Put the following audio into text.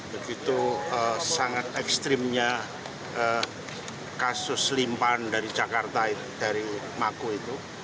begitu sangat ekstrimnya kasus limpan dari jakarta dari maku itu